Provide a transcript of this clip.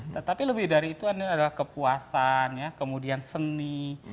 tetapi lebih dari itu adalah kepuasan kemudian seni